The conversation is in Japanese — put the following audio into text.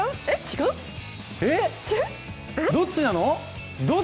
えっ、どっちなの？